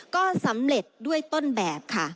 ก็สำเร็จด้วยต้นแบบค่ะ